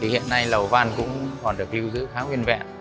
hiện nay lầu văn cũng còn được lưu giữ khá nguyên vẹn